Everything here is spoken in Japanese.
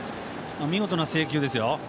見事な制球ですよ。